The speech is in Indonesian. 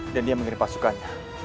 dan dia mengirim pasukannya